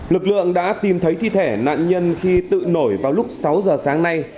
lực lượng đã tìm thấy thi thể nạn nhân khi tự nổi vào lúc sáu giờ sáng nay